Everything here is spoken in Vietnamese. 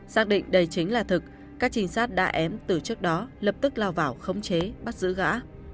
xác định đây chính là thực các trinh sát đã ém từ trước đó lập tức lao vào khống chế bắt giữ gã